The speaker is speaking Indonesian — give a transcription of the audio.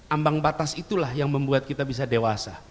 ambang batas itulah yang membuat kita bisa dewasa